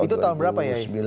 itu tahun berapa ya